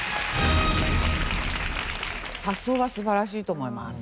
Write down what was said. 発想は素晴らしいと思います。